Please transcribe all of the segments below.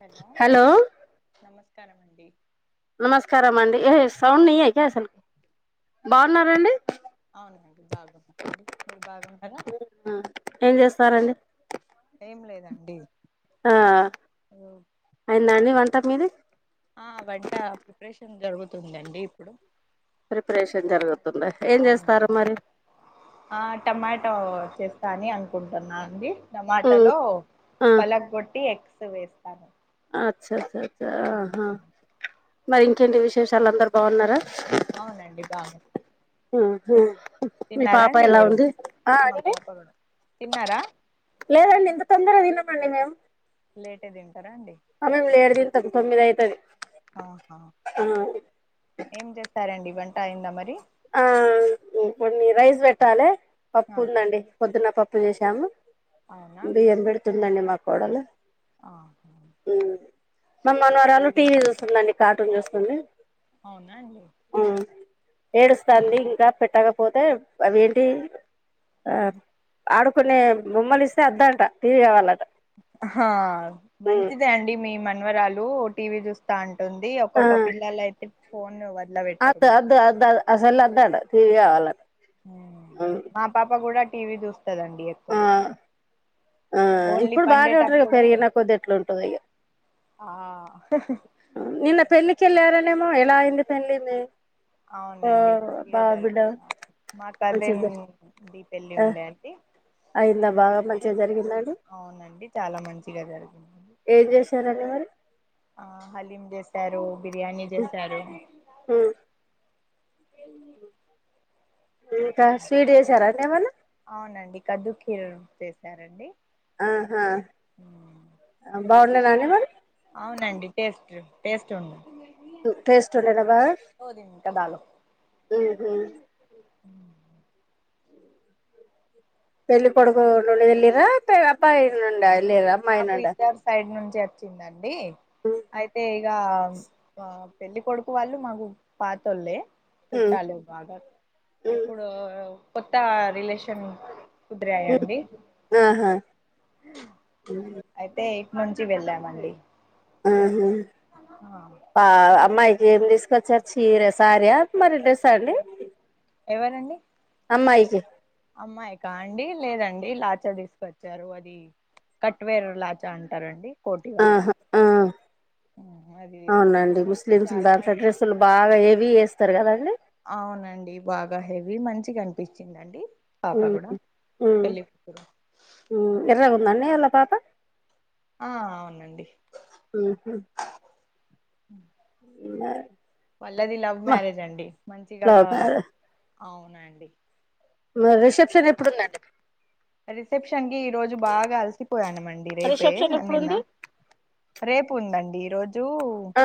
Hello నమస్కారం అండి నమస్కారం మండి ఏహే సౌండ్ నయే అసల్కి బాగున్నారండి. అవునండి బాగున్నాం అండి మీరు బాగున్నారా. ఆ ఏం చేస్తారండి ఏం లేదండి ఆ అయిందా అండి వంట మీది ఆ వంటా ప్రిపరేషన్ జరుగుతుందండి ఇప్పుడు. ప్రిపరేషన్ జరగుత్ అవును ఆ టమాటో చేస్తా అనే అనుకుంటున్నా అండి. టమాటలో ఆ పలగ్ కొట్టి ఎగ్స్ వేస్తాను. ఆ అచ్చ అచ్చ అచ్చ ఆహా మరి ఇంకేంటి విశేషాలు అందరు బాగున్నరా. అవునండి బాగున్ ఆహ మీ పాపా అండి ఎలా మీరు ఉంది ఆ మా అండి పాప కూడా తిన్నారా లేదండి ఇంత తొందరగ తినమండి మేమ్ లేట్ ఏ తింటరా అ మేమ్ లేట్ తింటం తొమ్మిది అయితది హా హా ఆ ఏం చేస్తారండి వంట అయిందా మరి. ఆ ఇప్పుడు కొన్ని రైస్ పెట్టాలే పప్పు ఆహా ఉందండి. పొద్దున్న పప్పు చేశాము అవునా బియ్యం పెడుతుందండి మా కోడలు. ఆహా మా మనుమరాలు టీవీ చూస్తుందండి కార్టూన్ చూస్తుంది అవునా అండి ఆ ఏడుస్తాంది ఉహు ఇంకా పెట్టకపోతే అవి ఏంటి ఆ ఆడుకునే బొమ్మలు ఇస్తే వద్దంట టీవీ కావాలంటా ఆహా మంచిదే అండి మీ మన్వరాలు టీవీ చూ స్తా అంటుంది ఆ ఒక్కొక్క పిల్లలు అయితే ఫోన్ వదల పెట్టరు మరి ా [inaudible] అసలు వద్దంట టివి కావాలంట ఉమ్మ్ మా పాప కూడా టీవీ చూస్తదండి ఆ ఎక్కువ ఆ ఓన్లీ ఇప్పుడు బాగా తింటారు పండేటప్పుడే పెరిగిన కొద్ది ఎట్లా ఉంటదొ ఇగ ఆ నిన్న పెళ్ళకి ఎళ్ళారనేమో ఎలా అయింది పెళ్ళి మీ అవునండి మంచిగా బావ బిడ్డ జరుపుకున్నాం మా మంచిగా కజిన్‌ జరి ది పెళ్ళి ఉండే అండి అయ్యిందా బాగా మంచిగానే మంచిగా అయింది అండి. జరిగిందాండి అవునండి చాలా మంచిగా జరిగింది ఏం చేశారండి మరి ఆ హలీం చేసారు బిర్యానీ చేసారు ఉమ్ ఇంకా స్వీట్ చేసారాండి ఏమన్నా అవునండి ఖద్దు ఖీర్ చేసారండి ఆహా బాగున్నాదండి అవునండి టేస్ట్ టేస్ట్ ఉంది టేస్ట్ ఉండేనా బాగా దాలో మ్మ్ఉహ్మ్ పెళ్ళి కొడుకు నుండి ఎల్లిరా పె అబ్బాయి నుండి ఎల్లీరా అమ్మాయి మాకు నుండా ఇద్దరు సైడ్ నుంచి వచ్చిందండి హ్మ్. అయితే ఇగ పెళ్లి కొడుకు వాళ్ళు మాకు పాతోల్లే హ్మ్. చుట్టాలే బాగా హ్మ్. ఇప్పుడు కొత్త రిలేషన్ హ్మ్. కుదిరాయాండి ఆహా అయితే ఇటునుంచి వెళ్ళామండి ఆహా ఆ పా అమ్మాయికి ఏం తీసుకొచ్చారు చీర సారీ మరి డ్రెసా అండి ఎవరండి అమ్మాయికి అమ్మాయికా అండి లేదండి లాచా తీసుకొచ్చారు అది కట్వేర్ లాచా అంటారండి కోటి వరకు ఆహా ఆ ఆహ అది తీసుకొని వచ్చరు చాలా మం అసలు బాగా హెవీ ఏస్తారు కదండి అవునండి బాగా హెవీ మంచిగా అనిపిచిందండి పాప హ్మ్ గూడా పెళ్ళికూతురు ఉమ్మ్ ఎర్రగుందండి ఆళ్ల పాప ఆ అవునండి మ్మ్ఉహ్మ్ మరి వాళ్లది లవ్ మ మ్యారేజ్ అండి మంచిగ లవ్ గా మ్యారే అవునండి మరి రిసెప్షన్ ఎప్పుడుందండి రిసెప్షన్ కి ఈరోజు బాగా అలసిపోయానుమండి రేపే రిసెప్షన్ ఆ నిన్న ఎప్పుడుంది? రేపు ఉందండి ఈ రోజు ఆ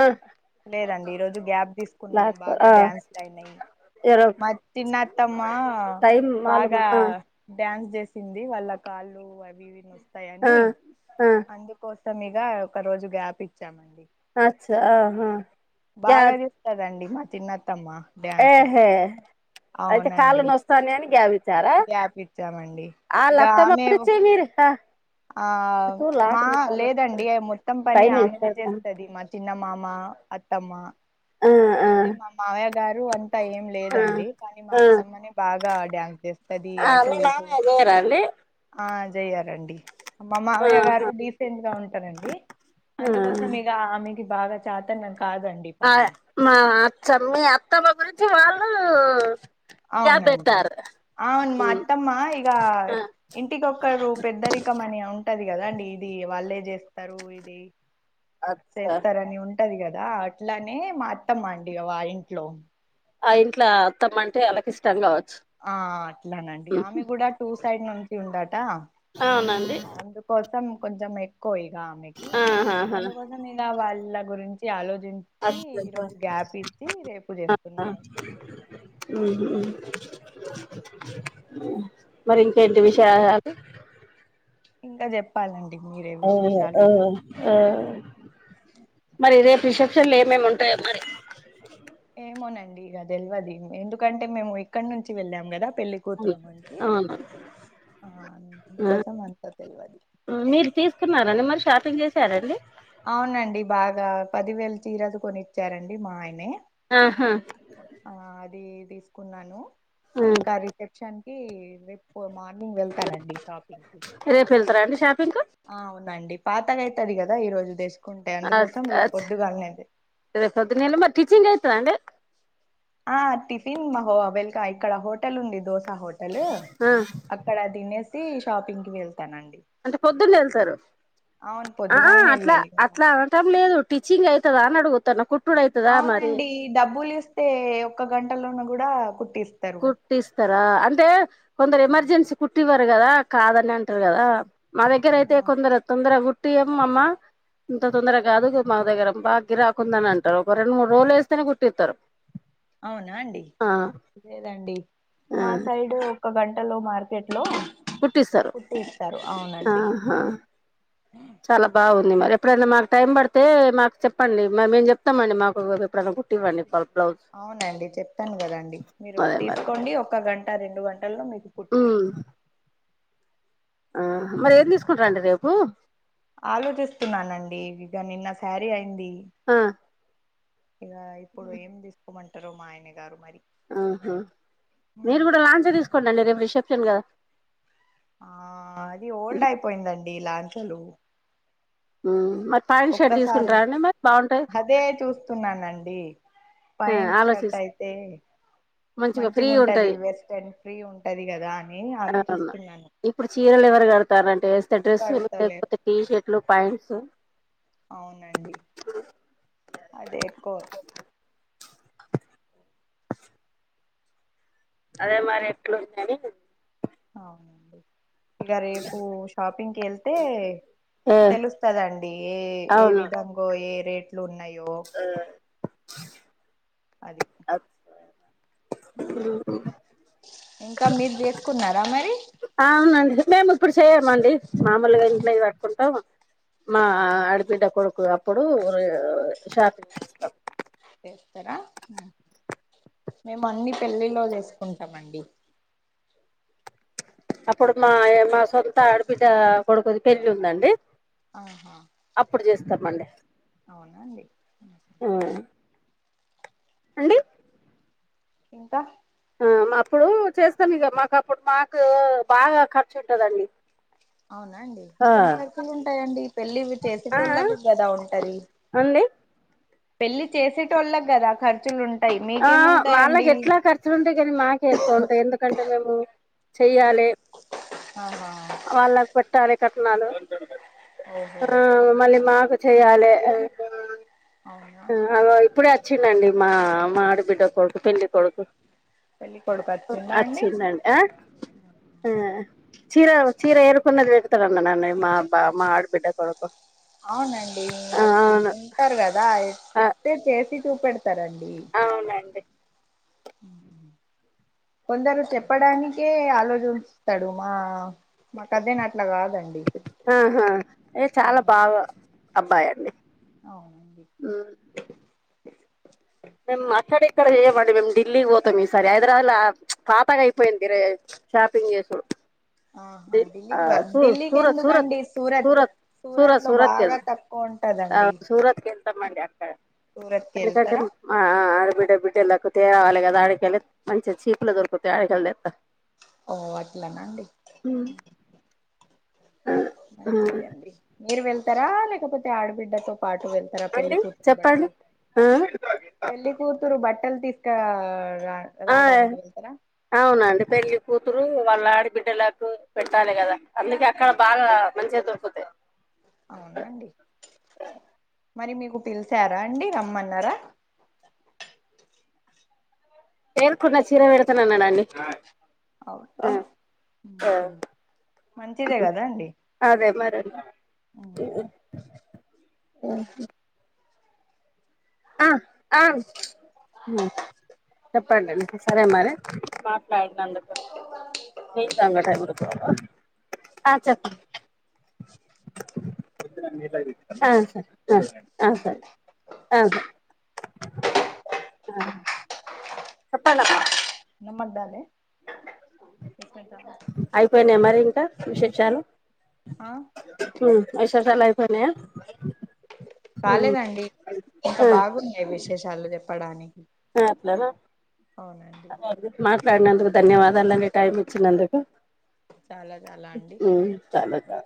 లేదండి ఈ రోజు గ్యాప్ తీసుకున్నాం బ్లాక్ బాగా ఆ! డ్యాన్స్లు అయినయ్ ఎరో మా చిన్నా అత్తమ్మా టైమ్ మాలుమ బాగా ఆ! డ్యాన్స్ చేసింది వాళ్ళ కాళ్ళు అవి ఇవి ఆ! నోస్తాయని ఆ! అందుకు కోసమిగ ఒక రోజు గ్యాప్ ఇచ్చామండి అచ్చ ఆహా గ్యా బాగా చెప్తాదండి మా చిన్నత్తమ్మా ఏహె అయితే కాలు అవునండి నొస్తాన్నాయని గ్యాప్ ఇ చారా గ్యాప్ ఇచ్చామండి ఇక ఆలత్తమ్మ ఆమె ప్రిస్టి [unintelligible] తీరిస్తా ఆ మా లేదండి మొత్తం పని టైమ్ ఆమెనే ఇచ్చారు. చేస్తది మ చిన్న మామా అత్తమ్మా ఆ! ఆ! అయితే మా మావయ్య గారు అంతా ఏం ఆ! లేదండి కానీ మా ఆ! అత్తమ్మనే బాగా డ్యాన్స్ చేస్తది అటు ఇటు లేరా అండి ఆ జేయ్యారండి మా మావయ్య గారు ఆహా డీసెంట్ గా ఉంటారండి అందుకోసం ఇగ ఆమెకి బాగా చేతన్నం కాదండి ఆయ పని మా [unintelligible] అత్తమ్ మీ అత్తమ్మ గురించి వాళ్ళు గ్యాప్ అవునండి పెట్టారు అవును మా అత్తమ్మా ఇగా ఆ ఇంటికొక్కరు పెద్దరికం అని ఉంటది కదా అండి ఇది వాళ్ళే చేస్తారు ఇ ఈ అచ్చా చేస్తారని ఉంటది గదా అట్లానే మా అత్తమ్మ అండి వా ఇంట్లో ఆ ఇంట్లో అత్తమ్మంటే ఆళ్కకి ఇష్టం గావచ్చు ఆ అట్లానండి ఆమె గూడా టూ సైడ్ నుంచి ఉందట అవునండి అందు కోసం కొంచెం ఎక్కువ ఇగ ఆమెకి ఆహాహా అందుకోసం మీద వాళ్ళ గురించి ఆలోచించి ఈ అచ్చా రోజు గ్యాప్ ఇచ్చి రేపు చేస్తున్నారు ఊహుమ్ మరి ఇంకేంటి విషయా ఇంకా ఇంకా చెప్పాలండి మీరే ఆ విశేషాలు ఆ ఇగ ఆ మరి రేపు రిసెప్షన్ లో ఏమేమి ఉంటాయో మరి ఏమోనండి ఇగ తెలవది ఎందుకంటే మేము ఇక్కడి నుంచి వెళ్ళాం గదా పెళ్ళి కూతురు నుంచి అవును ఆ అందుకోసం అంత తెలవది ఉం మీరు తీసుకున్నారండి మరి షాపింగ్ చేసారండి అవునండి బాగా పదివేలు చీరలు కొనిచ్చారండి మా ఆయనే ఆహా ఆ అది తీసుకున్నాను ఇంకా రిసెప్షన్కి పో మార్నింగ్ వెళ్తానండి షాపింగ్కి రేపు వెళ్తారా అండి షాపింగ్ కు ఆ అవునండి పాతగా అయితది కదా ఈ రోజు తెసుకుంటే అచ్చ అందుకోసం రేపు అచ్చ పొద్దుగా అనేది రేపు పొద్దున్న వెళ్లి మరి స్టిచింగ్ చేస్తాదా అండి ఆ టిఫిన్ మహో వెల్క ఇక్కడ హోటల్ ఉంది దోస హోటల్ ఆ ఇక్కడ తినేసి షాపింగ్కి వెళ్తానండి అంటే పొద్దున్న వెళ్తారు అవును ఆహా పొద్దుగాలనే అట్లా వెళ్ళాలి కదా అట్లా అనటం లేదు స్టీచింగ్ అయితాద, అని అడిగిన, అవునండి, డబ్బులు, ఇస్తే, ఒక్కగంటలోన, కూడా, కుట్టిస్తా. కుట్టిస్తారా, అంటే, కొందరు, ఎమర్జెన్సీ, కుట్టివ్వారు. కదా, కాదని, అంటారు. కదా, మా, దగ్గర, ఆ అయితే, కొందరు, తొందర, కుట్టియం, అమ్మ, ఇంత, తొందరగా, కాదు, మాదగ్గర, బాగా, గరిరాకుందని, అంటారు. ఒక, రెండు, మూడు, రోజులు, వేస్తేనే, కుట్టిస్తారు. [inaudible] అవునా, అండి ఆ లేదండి, ఆ మా, సైడు, ఒక, గంటలో, మార్కెట్, లో, కట్టిస్తారు. కుట్టి ఇస్తారు ఆ అవునండి చాలా, బాగుంది. మరి, ఎప్పుడైనా, మాకు, టైం, పడితే, మాకు, చెప్పండి, మేము, చెప్తామండి. మాకు, ఎప్పుడైనా, కుట్టివ్వండి. బ్లౌజ్ అవునండి, చెప్తాను, కదండి మీరు, అదే మరి తీసుకోండి, ఒక గంట, రెండుగంట ఇ మీకు కుట్టి ఉమ్ పట్ [unintelligible] ఆ, మరి, ఏం, తీసుకుంటారండి. రేపు, ఆలోచిస్తున్నానండి, ఇక, నిన్న, శారీ, అయింది. ఆ, ఇక, ఇప్పుడు, ఏం, తీసుకోమంటారు, మా, ఆయన, గారు, మరి, ఆహా, మీరు, ఉమ్. కూడా, లాంచ, తీసుకోండి, రేపు, రిసెప్షన్, కదా ఆ, అది, ఓల్డ్, అయిపోయిందండి. లాంఛాలు మరి, పాయాంట్, షర్ట్, ఒక్కసారి తీసుకుంటార, అండి, మరి, బాగుంటాయి. అదే, చూ, స్తున్నానండి. ఆ ప్యాంట్, షర్ట్, ఆలోచిస్ అయితే, మంచిగా, ఉంటది. వెస్ట్, అండ్, ఫ్రీ, ఉంటది. కదా, అని, అవును ఆలోచిస్తున్నాను. ఇప్పుడు, చీరలు, ఎవరు, కడతారంటే, వేస్తే, డ్రెస్సులు, కడతలేరు లేకపోతే, టీ షర్ట్లు, పాయింట్స్, అవునండి. అదే, ఎక్కువ, అదే, మరి, ఎట్లుందని, అవునండి. ఇక రేపు, షాపింగ్కి, వెళ్తే, ఏ తెలుస్తదండి. ఏ, ఏ, అవును విధంగా, ఏ, రేట్లు, ఉన్నాయో, ఆ, అది, ఉమ్, [inaudible] ఇంకా, మీరు, చేసుకున్నారా, మరి, అవునండి, మేము, ఇప్పుడు, చేయమండి. మామూలుగా, ఇంట్లోఇది, పట్టుకుంటాం. మా, అవునండి ఆడబిడ్డ, కొడుకు, అప్పుడు [unintelligible] షాక్ [inaudible] చేస్తారా మేము అన్ని పెళ్ళిలో చేసుకుంటామ అండి అప్పుడు, మా, మా, సొంత, ఆడబిడ్డ, కొడుకుది, పెళ్లి, ఉందండి. ఆహా, అప్పుడు, చేస్తామమండి. అవునా, అండి ఆ, అండి, ఇంకా, ఆ, మా, అప్పుడు చేస్తాం, ఇక మాకు, అప్పుడు, మాకు బాగా, ఖర్చు, ఉంటుదండి. అవునా, అండి, ఏం, ఖర్చులు, ఉంటాయిండి. పెళ్ళిళ్ళు, చేసే టోళ్ళకి, కదా, ఉంటది. అండి, పెళ్లి, చేసటోళ్లకి కదా ఖర్చులు ఉంటయి. ఆ వాళ్ళకి ఎట్లా ఖర్చులు ఉంటాయి కాని మాకే ఎక్కువ ఉంటాయి ఎందుకంటే మేము చెయ్యాలే ఆా వాళ్ళకు పెట్టా లే కట్నాలు ఓహో ఆ మళ్ళీ మాకు చెయాలే అ అవునా ఆగో ఇప్పుడే చ్చిండండి మా మా ఆడబిడ్డ కొడుకు పెళ్ళికొడుకు పెళ్ళి కొడుకు వచ్చిండా అండి అచ్చిందండి ఆ ఆ చీరా వ చీర ఏరుర్కుంద ఇడతార అంద న ఇ మా అబ్బ అమ్మ ఆడబిడ్డ కొడుకు అవునండి ఆ అది అవును ఉంటారు కదా ఆ చెప్తే చేసి చూపెడతారండి అవునండి కొందరు చెప్పడానికే ఆలోచిస్తాడు మా మాకు కజిన్ అట్లా కాదండి ఆహా ఎ ఉ చాలా బాగా అబ్బాయండి అవునండి ఉమ్ మేము అక్కడ ఇక్కడ చేయమండి మేము ఢిల్లీకి పోతాం ఈసారి హైదరాబాద్ లా పాతగా అయిపోయిందిరే షాపింగ్ చెత్తవ్ ఆహా ఢిల్లీక ఢిల్లీకి సూరత్ సూరత్ ఎందుకండి సూరత్ సూరత్ లో బాగా తకు క్కు ఉంటద్ ఆ సూరత్కి ఎళ్తామండి అక్కడ సూరత్ కి ఎందుకంటే వెళ్తారా ఆ ఆ ఆడబిడ్డ బిడ్ ఎలాకుతే కావాలి కదా ఆడకయలి మంచిగా చీపులు దొరుకుతాయి ఆడకయలిద ఎత్త ఓ అట్లనాండి మంచిదే అండి మీరు వెళ్తారా లేకపోతే ఆడబిడ్డతో పాటు వెళ్తాత్ తరా అండి పెళ్లికొడుకు చెప్పండి బట్టల్ పెళ్లి కూతురు బట్టలు తీసుక రా ఆ రావడానికి వెళ్తారా ఆ అవునండి పెళ్లి కూతురు వాళ్ళ ఆడి బిడ్డ లకు పెట్టాలి కదా అందుకే అక్కడ బాగా మంచిగా దొరుకుతయి అవునా అండి మరి మీకు పిలిచారా అండి రమ్మన్నారా ఎరుకున్న చీర పెడుతున్నా న్నాడండి అవునా మంచిదే కదా అండి అదే మర్ ఆ ఆ మరి చెప్పండి సరే మరి మాట్లాడిన అందుకు ఎ [inaudible] హ చెప్ ఆ సార్ సర అహ చెప్పనామ్మా నమ్మొద్దండి అయిపోయినాయ మరి ఇంకా విశేషాలు ఆ ఉ విశేషాలు అయిపోయినయా కాలేదండి ఇంకా ఆ బాగున్నాయి విశేషాలు చెప్పడానికి ల అవునండి మాట్లాడనందుకు ధన్యవాద ఎలా టైమ్ ఇచ్చినందుక చాలా చాలా అండి చాలా చా